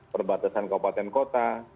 perbatasan kabupaten kota